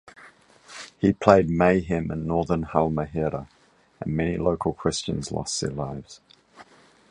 He played mayhem in northern Halmahera and many local Christians lost their lives.